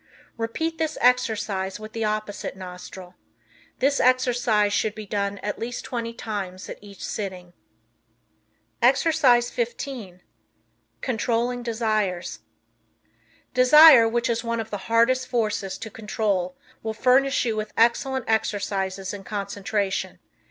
Repeat this exercise with the opposite nostril. This exercise should be done at least twenty times at each sitting. Exercise 15 Controlling Desires. Desire, which is one of the hardest forces to control, will furnish you with excellent exercises in concentration.